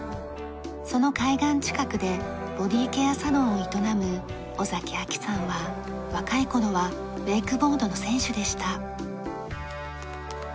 その海岸近くでボディーケアサロンを営む尾崎亜紀さんは若い頃はウェイクボードの選手でした。